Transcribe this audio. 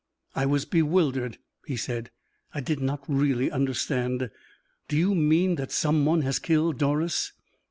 "I was bewildered," he said. "I did not really understand. Do you mean that some one has killed Doris?"